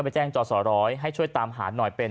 ไปแจ้งจอสอร้อยให้ช่วยตามหาหน่อยเป็น